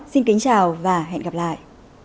xin kính chào và hẹn gặp lại